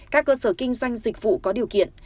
các cơ sở kinh doanh dịch vụ có điều kiện